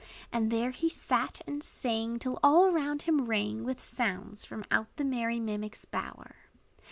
And there he sat and sang, Till all around him rang, With sounds, from out the merry mimic's bower.